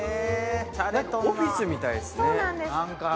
オフィスみたいですね。